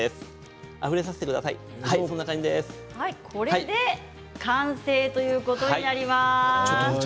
これで完成ということになります。